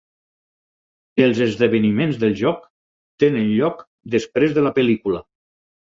Els esdeveniments del joc tenen lloc després de la pel·lícula.